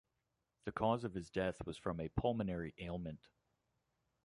The cause of his death was from a pulmonary ailment.